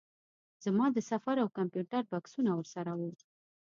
زما د سفر او کمپیوټر بکسونه ورسره وو.